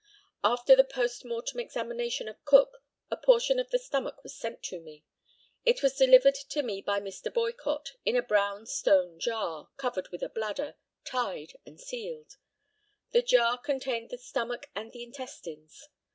After the post mortem examination of Cook a portion of the stomach was sent to me. It was delivered to me by Mr. Boycott, in a brown stone jar, covered with bladder, tied, and sealed. The jar contained the stomach and the intestines.